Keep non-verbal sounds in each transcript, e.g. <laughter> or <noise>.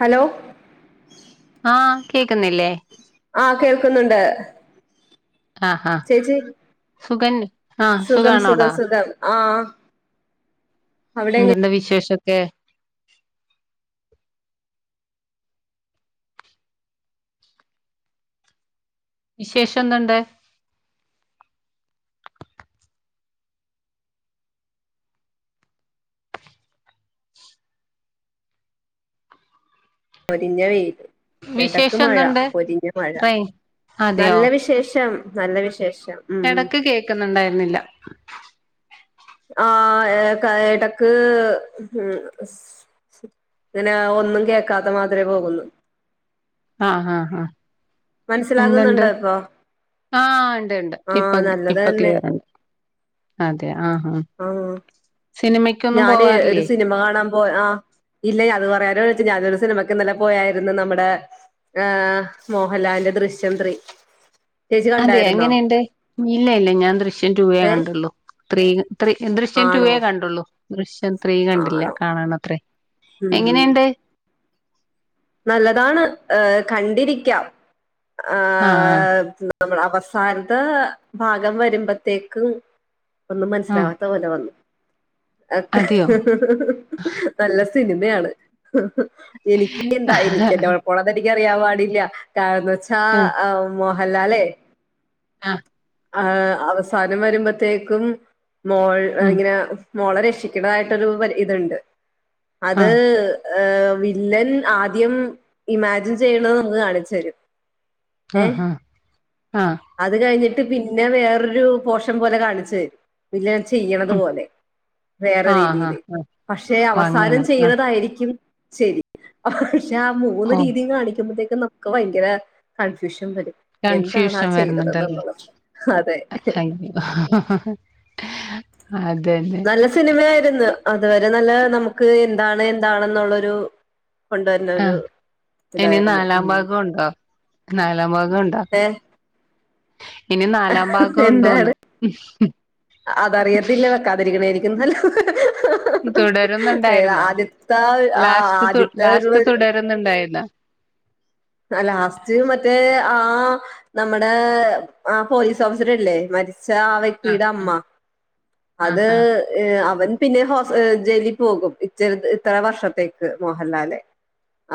Hello? ആഹ് കേക്കുന്നില്ലേ? ആഹ് കേൾക്കുന്നുണ്ട്. ആഹ് ആഹ് ചേച്ചി സുഖൻ ആഹ് സുഖം സുഖം സുഖാണോടാ സുഖം ആഹ് എന്തുണ്ട് വിശേഷം. <unintelligible> വിശേഷന്തുണ്ട്. പൊരിഞ്ഞ വെയി എടക്ക് വിശേഷം മഴ എന്തുണ്ട് പൊരിഞ്ഞ മഴ റേ അതെയോ നല്ല വിശേഷം. നല്ല വിശേഷ് എടക്ക് കേക്കുന്നുണ്ടായിരുന്നില്ല. ആ ഏക എടക്ക് ഉം സ് ഇങ്ങനെ ഒന്നും കേക്കാത്ത മാതിരി പോകുന്ന്. ആഹ് ആ ആ എന്തണ്ട് മനസ്സിലാകുന്നുണ്ടോ ഇപ്പൊ ആഹ് ഇണ്ട് ഇണ്ട് ആ ഇപ്പൊ നല്ലത് ഇപ്പൊ തന്നെ ക്ലിയർ ണ്ട് അതെ. ആഹ ആ ഞാന് ഒരു സിനിമ കാണാൻ പോ ആ ഇല്ല അത് പറയാന വിൽ ഞാനൊരു സിനിമക്ക് ഇന്നല പോയാരുന്നു നമ്മടെ ഏ മോഹൻലാലിന്റെ ദൃശ്യം ത്രീ. ചേച്ചി അതെ കണ്ടായിരുന്നോ എങ്ങനെണ്ട് ഇല്ല ഇല്ല ഞാൻ ദൃശ്യം റ്റൂവേ ഏ കണ്ടുള്ളു ത്രീ ക ത്രീ ദൃശ്യം ആണോ ടുവേ കണ്ടുള്ളു ദൃശ്യം ത്രീ കണ്ടില്ല ആണോ കാണണത്രേ ഉം എങ്ങനേണ്ട് നല്ലതാണ് ഏഹ് കണ്ടിരിക്കാം ആ ആഹ് നമ്മുടെ അവസാനത്ത ഭാഗം വരുമ്പോത്തേക്കും ഒന്നും ആഹ് ആഹ് മനസ്സിലാവാത്ത പോലെ വന്നു അക്കെ അതെയോ നല്ല സിനിമയാണ് എനിക്ക് <unintelligible> എനിക്കറിയാൻ പാടില്ല കാരണം ച്ച <unintelligible> അല്ലാല്ലേ ആഹ് അ ഏഹ് അവസാനം വരുമ്പോത്തേക്കും മോൾ ഉം ഇങ്ങനെ മോളെ രക്ഷിക്കണ്ടതായിട്ടൊരു ഇതുണ്ട് ആ അത് ഏഹ് വില്ലൻ ആദ്യം ഇമാജിൻ ചെയ്യുന്നത് നമുക്ക് കാണിച്ചു തരും ആ ഏഹ് ആ ആ അത് കഴിഞ്ഞി പിന്നെ വേറൊരു പോഷൻ പോലെ കാണിചേ <unintelligible> ചെയ്യണതു ഉം പോലെ വേറെ ആ ആ രീതിൽ ആ പക്ഷെ ഓ അവസാനം അങ്ങനെ ആ ചെയ്യുന്നതായിരിക്കും ശരി പക്ഷെ ആ മൂന്ന് ഓ രീതിയും കാണിക്കുമ്പേത്തെ നമക്ക് ഭയങ്കര കൺഫ്യൂഷൻ <unintelligible> വരും എന്താണ് ആ ചെയ്തത് എന്നുള്ളത് അതെ അ നല്ല സിനിമയായിരുന്നു അതുവരെ നല്ല നമുക്ക് എന്താണ് എന്താണെന്നുള്ളരു ആഹ് ഇനി നാലാം ഉം ഭാഗമുണ്ടോ നാലാം ഭാഗം ഉണ്ട ഏഹ് ഇനി നാലാം ഭാഗം എന്താ ഉണ്ടോന്ന് അതറിയത്തില്ല വെക്കാതിരിക്കണയിരിക്കും തുടരുന്നുണ്ടായിരുന്നോ ആ ലാസ്റ്റ് തു ആദ്യത്തെ ലാസ്റ്റ് തുടരുന്നുണ്ടായിരുന്നോ. ആ ലാസ്റ്റ് മറ്റേ ആ ആ നമ്മുടെ ആ പോലീസ് ഓഫീസർ ഇല്ലേ മ ച്ച ആ വ്യക്തിയുടെ അമ്മ ആ അത് ആ അവൻ പിന്നെ ഹോ ജയിലിൽ പോകും ഇ ഇത്ര വർഷത്തേക്ക് മോഹൻലാൽ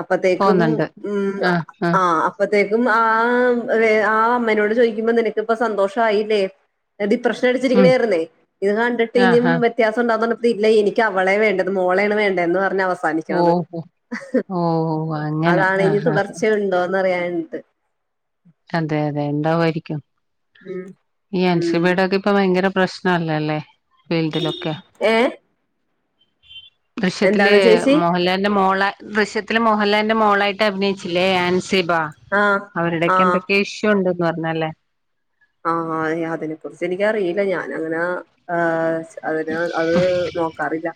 അപ്പത്തേക്കും പോന്നുണ്ട് മ്മ് ആ അ അപ്പത്തേക്കും. ആ ആ അമ്മേനോട് ചോദിക്കുമ്പോ നിനക്കിപ്പോ സന്തോഷായില്ലേ ഡിപ്രഷൻ ഉം അടിച്ചിരിക്കണയായിരുന്നേ ഇത് കണ്ടിട്ട് ആ ഇനിയും ആ വ്യത്യാസണ്ടോ തില്ല <unintelligible> എനിക്ക് അവളെ വേണ്ടത് മോളെയാണ് വേണ്ടത് എന്ന് പറഞ്ഞ് അ ഓഹോ ഓ അങ്ങനെ ആ ആ ഇണ്ടോന്ന് അറിയാഞ്ഞിട്ട് അതെ അതെ എന്താവുമായിരിക്കും ഉം ഈ ഉം അൻസിബയുടെയൊക്കെ ഇപ്പൊ ഭയങ്കര പ്രശ്നല്ലല്ലേ ഫീൽഡ്‌ലൊക്കെ ഏഹ് ദൃശ്യത്തില് എന്താണ് ചേച്ചി മോഹൻലാലിന്റെ മോള ദൃശ്യ മോഹൻലാലിന്റെ മോളായിട്ട് അഭിനയിച്ചില്ലേ അൻ സിബ ആഹ് അവരുടെ ആഹ് എന്തൊക്കെയോ ഇഷ്യൂ ഉണ്ട് <unintelligible> ആ അതിനെ കുറിച്ച് എനിക്കറിയില്ല ഞാനങ്ങനെ അ അതിന് അത് നോക്കാറില്ല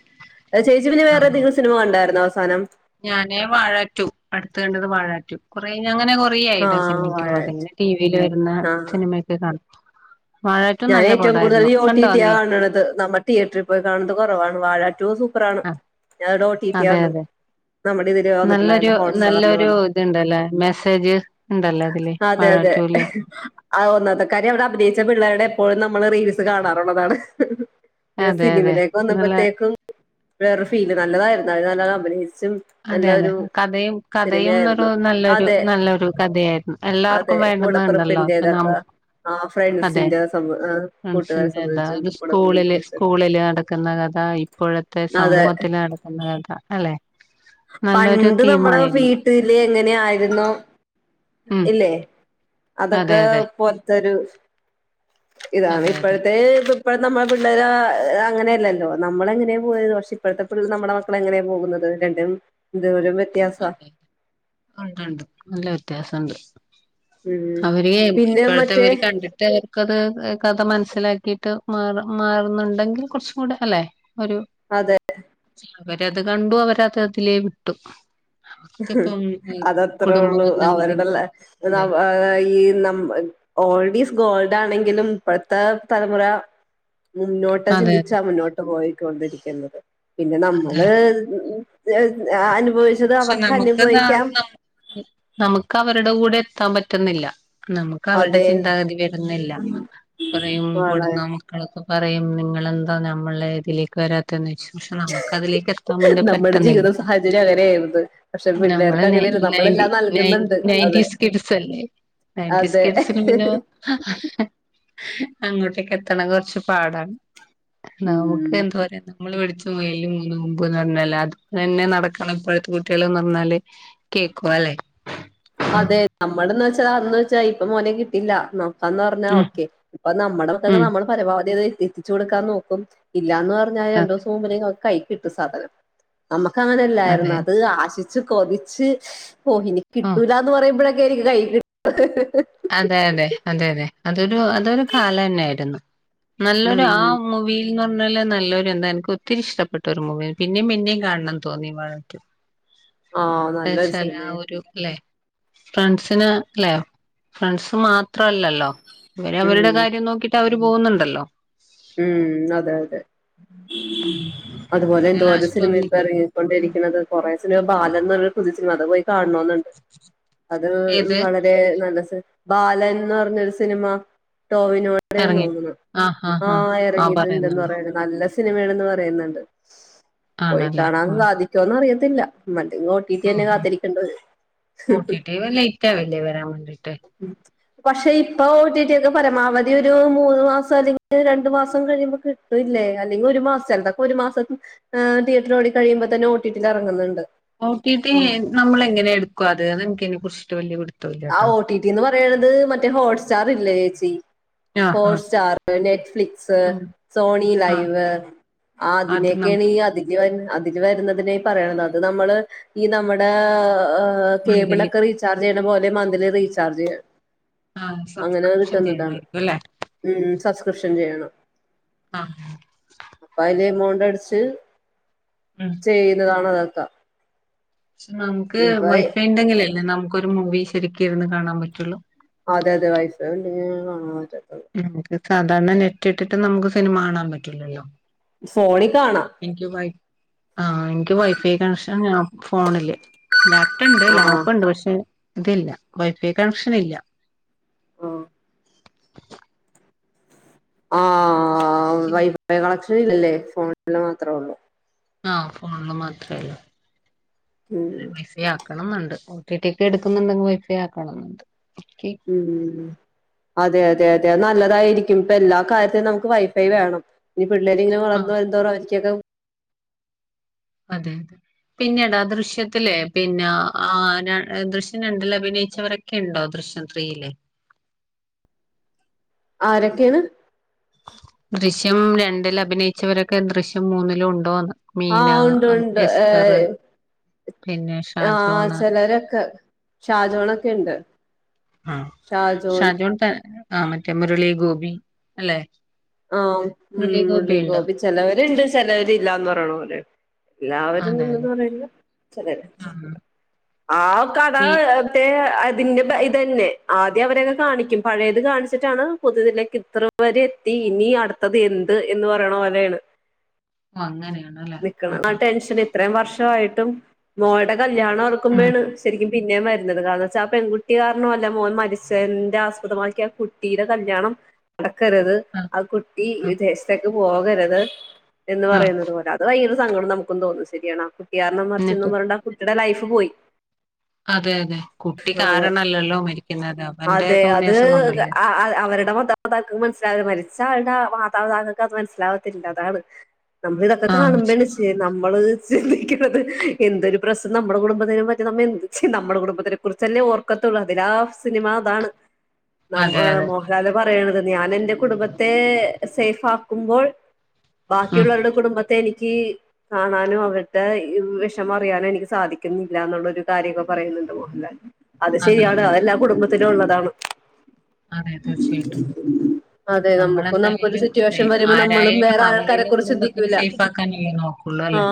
ചേച്ചി പിന്നെ വേറെ എന്തെങ്കിലും സിനിമ കണ്ടായിരുന്നോ? <unintelligible> ഞാന് വാഴ ടു അടുതെ കണ്ടത് വാഴ ടു കൊറ അങ്ങനെ കൊറെയായിട്ടോ ആഹ് സിനിമയ്ക്ക് വാഴ പോകാത്തെപിന്നെ ടി വി യിൽ വരുന്ന ആഹ് സിനിമയൊക്കെ കാണും വാഴാറ്റു ഞാൻ നല്ല ഏറ്റവും കൂടുതൽ പടായിരുന്നു ഒ ടി കണ്ടോ ടിയാ നീ കാണണത്. നമ്മൾ തിയേറ്ററിൽ പോയി കാണുന്നത് കുറവാണ് വാഴാ ടൂ സൂ ആ അതെ അതെ നമ്മുടെ ഇതില് നല്ലൊരു വന്നിട്ടുണ്ടായില്ല ഹോട്ട്സ്റ്റാറില് നല്ലൊരു വന്ന് ഇതുണ്ടല്ലേ മെസ്സേജ് ഉണ്ടല്ലേ അതില് വാഴ ടൂവിൽ. ആ ഒന്നാമത്തെക്കാര്യം അവിടെ അഭിനയിച്ച പിള്ളേരുടെ എപ്പോഴും നമ്മള് റീൽസ് കാണാറുള്ളതാണ്. പിന്നെ അതെ അതെ സിനിമിലേക്ക് നല്ല വന്നപ്പോത്തേക്കും വേറെ ഫീല് നല്ലതായിരുന്ന നല്ല കമ്പനി അതെ അതെ കഥയും കഥയുംഒരു സിനിമയായിരുന്നു നല്ലൊരു അതെ നല്ലൊരു കഥയായിരുന്നു അതെ എല്ലാവർക്കും വേണ്ടുന്നണ്ടല്ലോ കൂടപ്പിറപ്പിന്റേതൊക്കെ നമുക്കും ആഹ് അതെ ഫ്രണ്ട്സിന്റെ സംബ ആഹ് കൂട്ടുകാരെ ഫ്രണ്ട്സിന്റെതാ സംബന്ധിച്ചും ഒരു കൂടപ്പിറപ്പിനെ സ്കൂളില് സംബന്ധിച്ചൊക്കെ സ്കൂളില് നടക്കുന്ന കഥ ഇപ്പോഴത്തെ അതെ സമൂഹത്തിൽ നടക്കുന്ന നേരത്തെ അല്ലെ നല്ലൊരു പണ്ട് നമ്മടെ തീമായിരുന്നു വീട്ടില് എങ്ങനെ. അങ്ങനെ ആയിരുന്നു. ഉം ഇല്ലേ അതെ അതൊക്കെ അതെ പോലത്തൊരു ഇതാണ് അതെ അതെ ഇപ്പോഴത്തെ ഇപ്പോ നമ്മുടെ പിള്ളേര് അങ്ങനെയല്ലല്ലോ നമ്മൾ എങ്ങനെയാ പോയത് പക്ഷെ ഇപ്പോഴത്തെ പിള്ളർ നമ്മുടെ മക്കളെ എങ്ങനെയാ പോകുന്നത് രണ്ടും എന്തോരും വ്യത്യാസാ. ഉണ്ട്ണ്ട് നല്ല വ്യത്യാസമുണ്ട്. ഉം അവര് പിന്നെ ഇപ്പോഴത്തെ മറ്റേ അവര് കണ്ടിട്ട് അവർക്കത് കഥ മനസ്സ്. മനസ്സിലാക്കിയിട്ട് മാ മാറുന്നുണ്ടെങ്കിൽ കുറച്ചും കൂടി അല്ലെ. ഒരു അതെ അവരത് കണ്ടു അവരത് അതിലേ വിട്ടു. അക്ക ഇപ്പം അതത്രേ ഒള്ളൂ. അവരുട ല്ലേ ഈ നം ഓൾഡ് ഈസ് ഗോൾഡ് ലാണെങ്കിലും ഇപ്പത്തെ തലമുറ മുന്നോട്ട അതെ ചിന്തിച്ചാ മുന്നോട്ട് പോയി ക്കൊണ്ടിരിക്കുന്നത്. പിന്നെ അതെ നമ്മള് ഉ ഉ ത് അനുഭവിച്ചത് പക്ഷെ അവർ നമുക്ക് നാ നമു നമുക്ക് അവരുടെ കൂടെ എത്താൻ പറ്റുന്നില്ല. നമുക്ക് അവരുടെ അതെ ചിന്താഗതി വരുന്നില്ല കുറയും വളരെ വിടുന്ന മക്കളൊക്കെ പറയും നിങ്ങളെന്താ നമ്മളെ ഇതിലേക്ക് വരാത്തന്ന്യ്ച്ചും. പക്ഷെ നമുക്ക് അതിലേക്ക് എത്താൻ വേണ്ടി നമ്മുടെ പറ്റുന്നില്ല. ജീവിത സാഹചര്യം അങ്ങനെയായിരുന്നു പക്ഷെ നമ്മളെ പിള്ളേർക്ക് നയൻ അങ്ങനെയല്ല നയൻ്റീ നമ്മളെല്ലാം നയൻ നൽകുന്നുണ്ട് അതെ നയന്റീസ്കിഡ്സ് അല്ലേ നയന്റീൻസ് അതെ സ്കിഡ്സിന് പിന്നെ അങ്ങോട്ടേക്കത്തണ കൊർച്ച് പാടാ നമുക്ക് ഉം എന്തോര നമ്മള് പിടിച്ച മുയലിന് മൂന്ന് കൊമ്പ്ന്ന് പറഞ്ഞപോലെ അത് തെന്നെ ന ടക്കണം ഇപ്പഴത്തെ കുട്ട്യാള്ന്ന് പറഞ്ഞാല് കേക്കു അല്ലേ <unintelligible> വെച്ചാൽ ഇപ്പ മോനെ കിട്ടില്ല അന്ന് പറഞ്ഞാ ഉം ഓക്കെ ഇപ്പ നമ്മടെ മക്കക്ക് ഉം നമ്മള് പരമാവത തി എത്തിച്ചു കൊടുക്കാൻ നോക്കും ഇ ഇല്ലാന്ന് പറഞ്ഞാ അതെ രണ്ടൂസം മുമ്പേന്നെ <unintelligible> കൈക്കിട്ടു സാധനം നമ്മക്ക് അങ്ങനല്ലായിരുന്നോ അതെ അത് ആശി ച്ച് കൊതിച്ച് പോയിനി ആ കിട്ടൂലാന്നു പറയുമ്പഴേ ക്ക് <unintelligible> അതെ അതെ അതെ അതെ അതൊരു അതൊരു കാലം തന്നായിരുന്നു നല്ലൊരു ആ ഉം മൂവിൽ <unintelligible> പറഞ്ഞാല് നല്ലൊരു എന്താ എനിക്ക് ഒത്തിരി ഇഷ്ടപ്പെട്ടൊരു മൂവി പിന്നിം പിന്നിം കാൺണം തോന്നി വാഴ ടൂ ആഹ് നല്ലൊരു <unintelligible> ആ സിനിമയായിരുന്നു ഒരു ലേ ഫ്രണ്ട്സിന് അല്ലേ ഫ്രണ്ട്സ് മാ ത്രല്ലല്ലോ അവര് അവരുടെ ഉം കാര്യം നോക്കിട്ട് അവര് പോകുന്നുണ്ടല്ലോ ഉം അതെ അതെ അതുപോലെ പിന്നെ എന്തോര് ലാസ്റ്റ് സിനിമ ഒന്ന് ഇപ്പോ ഇറങ്ങിക്കൊണ്ടിരിക്കുന്നത് കുറേ സിനിമ ബാ <unintelligible> കാണണുന്ന്ണ്ട് അത് ഏത് വളരെ നല്ല ബാലൻ ന്ന് പറഞ്ഞ ഒരു സിനിമ. ടോവിനോടെ എന്ന് എറങ്ങി നോന്നുണു. ആഹ് എറങ്ങിട്ടുണ്ടെന്ന് പറയണ് നല്ല സി സിനിമയാണെന്ന് പറയുന്നുണ്ട്. പോയി ആണല്ലേ കാണാൻ ഉം സാധിക്കോന്ന് അറിയ ത്തില്ല മ ഉം ഓ ടി ടി വ ലേറ്റാവില്ലേ വരാൻ വേണ്ടി പക്ഷെ ഇപ്പൊ ഓ ടി ടി ഒക്കെ പരമാവധി ഒരു മൂന്ന് മാസം അല്ലെങ്കി രണ്ടു മാസം കഴിയുമ്പോ കിട്ടൂല്ലേ അല്ലെങ്കിൽ ഒരു മാസം ചെൽതൊക്കെ ഒരു മാസം തിയേറ്റർ ഓടി കഴിയുമ്പോ തന്നെ ഓ ടി ടി ൽ എറങ്ങുന്നുണ്ട്. ഓ ടി ടി നമ്മള് എങ്ങനെ എടുക്കും അത് അതെൻക്ക് അയിനെ കുർച് ട്ട് വല്യ പിടു ആ ഓ ടി ടി എന്ന് പറയണത് മറ്റേ ഹോട്ട് സ്റ്റാർ ല്ലേ ചേച്ചി ആഹ് ആഹ് ഹോട്ട്സ്റ്റാർ, നെറ്റ്ഫ്ലിക്സ്, ഉം സോണി ആഹ് ലൈവ് അത് അതിനൊക്കെയാണ് ഈ നമ്മള് <unintelligible> ഇതിൽ, വരുന്നതിനെ, പറയണം അത്, നമ്മള്, ഈ, നമ്മുടെ. മ്, മന്ത്ലി കേബിളൊക്കെ, റീചാർജ്, ചെയ്യണ അത്, പോലെ, മന്തിലി, റീചാർജ്, ചെയ്യണ. ആഹ് അങ്ങനെ, സബ്സ്ക്രിപ്ഷൻ കിട്ടുന്നതാണ്, ചെയ്യണായിരിക്കും അല്ലെ മം <unintelligible> സബ്സ്ക്രിപ്ഷൻ, ചെയ്യണം. ആ ടിച്ച <unintelligible> ചെയ്യുന്നതാണ്, അത്. ത പക്ഷെ, നമുക്ക്, വൈഫൈ ഉണ്ടെങ്കിലല്ലേ, നമു നമുക്ക്, ഒരു, മൂവി, ശരിക്കിരുന്ന് കാണാൻ, പറ്റുള്ളു. അതെ, അതെ, വൈഫൈ, ഉണ്ടങ്കിലേ, കാണാൻ, പറ്റുള്ളൂ. നമുക്ക് സാധാരണ, നെറ്റ്, ഇട്ടിട്ട്, നമുക്ക് സിനിമ, കാണാൻ, പറ്റില്ലല്ലോ. ഫോണി, കാണാ. ആ, എനിക്ക്, വൈഫൈ കണക്ഷൻ, ഞാ, ഫോണില്. ലാപ്റ്റൊൻണ്ട്, ആഹ് ലാപ്പ്ണ്ട്, പക്ഷെ. എനിക്കില്ല, വൈഫൈ കണക്ഷൻ, ഇല്ല ആ <inaudible> ആഹ് ആ, വൈഫൈ, കളക്ഷൻ. ല്ലല്ലേ <unintelligible> ഫോണില് മാത്രേ, ഉള്ളു. ആ, ഫോണില്, മാത്രല്ല. ഉം അ, വൈഫൈ, ആക്കണ. ആണ്ട് ടിടി ഒക്കെ എടുക്കുന്നുണ്ടെങ്കിൽ വൈഫൈ ആക്കണുണ്ട് <unintelligible> ഉം ഉം ഉം അതെ അതെ അതെ നല്ലതായിരിക്കും ഇപ്പൊ എല്ലാ കാര്യത്തിലും നമുക്ക് വൈഫൈ വേണം പിള്ളേര് ങ്ങനെ വളർന്ന് ആഹ് വരുന്തോറും <unintelligible> അതെ പിന്നെടാ ദൃശ്യത്തില് പിന്നെ ആ ദൃശ്യം രണ്ടില് അഭിനയിച്ചോരൊക്കെ ണ്ടോ ദൃശ്യം ത്രീയില് ആരൊക്കെണ് ദൃശ്യം രണ്ടില് അഭിനയിച്ചവരൊക്കെ ദൃശ്യം മൂന്നിലും ഉണ്ടോന്ന് ആ മീന ഉണ്ട് ഉണ്ട് ഏ എസ്തർ പിന്നെ ആ ഷാജോണ് ചെലോരൊക്കെ ഷാജോണൊക്കെണ്ട് ആഹ് ഷാജോൺ ആ മറ്റേ മുരളി ഗോപി അല്ലെ ആ ഉം മുരളി ഗോപി ചെലോര്ണ്ട് ചെലോര് ഇല്ലന്ന് പറയണോല് എല്ലാവരും അതെ അതെ നിന്ന് <unintelligible> ചെലെത് ആഹ് ആക്ക ഈ <unintelligible> എത്തേഹ് അതിന്റെ ഇതന്നെ ആദ്യം അവരൊക്കെ കാണിക്കും പഴയത് കാണിച്ചിട്ടാണ് പുതുതിലേക്ക് ഇത്ര പേരെ എത്തി ഇനി അടുത്തത് എന്ത് എന്ന് പറയണ പോലെയാണ് ഓ അങ്ങനെയാ നിക്ക്ണത് ആ ടെൻഷൻ ഇത്രയും വർഷവായിട്ടും മോളുടെ കൽ ല്യാണം ആഹ് ഓർക്കുമ്പഴേണ് ശരിക്കും പിന്നേം വരുന്നത് കാരണം ന്താച്ചാ ആ പെൺകുട്ടി കാരണവല്ല മോൻ മരിച്ചേന്റെ ആസ്പദമാക്കി ആ കുട്ടിയുടെ കല്യാണം നട <unintelligible> ക്കരുത് ആഹ് ആ കുട്ടി ആഹ് <unintelligible> പോകരുത് എന്ന് ആഹ് പറയുന്നത് പോലെ <unintelligible> സങ്കടം നമുക്കും തോന്നും ശരിയാണ് ആ കു ട്ടിയാരണം മര്ച്ച് ന്നും എന്നിട്ട് പർഞ്ഞിട്ട് ആ കു ട്ടിടെ ലൈഫ് പോയി അതെ അതെ കുട്ടി അതെ ക്കാരണല്ലല്ലോ മരിക്കുന്നത് അവന്റെ അതെ തോന്ന്യാസം കൊണ്ടല്ലേ മാതാക്കൾക്ക് മനസ്സിലാവ മരിച്ച ആൾടെ ആ മാതാപതാക്കൾക്ക് അത് മനസ്സിലാവത്തില്ല അതാണ് നമ്മളിതൊ ആഹ് കാണുമ്പ എന്ന ശരി ചെയ്യ നമ്മള് ചിന്തിക്ക്ന്നത് എന്തൊരു പ്രശ്നം നമ്മുടെ കുടുംബത്തിനും പറ്റും നമ്മ എന്ത് ച്ച് നമ്മുടെ കുടുംബത്തിനെ കുറിച്ചല്ലേ ഓർക്കത്തുള്ളൂ അതിലാ സിനിമ അതാണ് നം അതെ ഏർ അതെ മോഹലാൽ പ റയ്ണത് ഞാന് എൻറെ കുടുംബത്തെ സേഫ് ആക്കുമ്പോൾ ഉം ബാക്കിയുള്ളവരുടെ കുടുംബ എനിക്ക് കാണാനോ അവരുടെ വിഷമ അറിയാനോ എനിക്ക് സാധിക്കുന്നില്ല എന്നുള്ളൊരു കാര്യം നക്കെ പറയുന്നുണ്ട് മോഹൻലാൽ അത് അതെ ശരിയാണ് അതെ അതെല്ലാ കുടുംബ ത്തിലു ഉള്ളതാണ് അതെ തീർച്ചയായിട്ടും അതെ നമ്മുക്കും നമുക്കൊരു നമ്മളെന്തായാലും അതെ സിറ്റുവേഷൻ വരുമ്പോ നമ്മളും വേറെ ആൾക്കാരെ കുറിച്ച് ചിന്തിക്കൂല്ല ക്കാനെ നോക്കുള്ളൂ അല്ലേ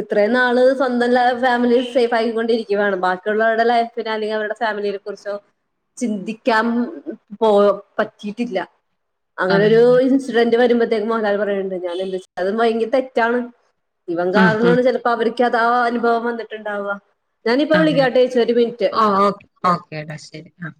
ഇത്രയും നാള് സ്വന്തം ല ഫാമിലി സേഫ് ആക്കിക്കൊണ്ടിരിക്കുവാണ് ബാക്കിയുള്ളവരുടെ ലൈഫിനെ അല്ലെങ്കിൽ അവരുടെ ഫാമിലിയെ കുറിച്ചോ ചിന്തിക്കാൻ പോ പറ്റിയിട്ടില്ല അങ്ങനെ അതെ ഒരു അതെ ഇൻസിഡന്റ് വരുമ്പ ത്തേക്കും മോഹലാൽ പറയണ്ട് ഞാനെന്താ <unintelligible> ഇഞ് തെറ്റാണ് ഇവൻ ഉം ഉം കാരണമാണ് ചിലപ്പോ അവര് ക്ക് അതാ അനുഭവം വന്നിട്ടുണ്ടാവ അതെ ഓഹ് ഓ ഓക്കേടാ ശരി ആഹ്